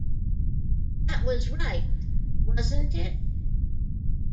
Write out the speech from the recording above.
That was right, wasn't it?